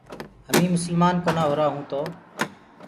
هميٚنٚ مسلمآن ڪونآ هووآنٚ تو